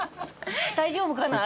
大丈夫かな？って。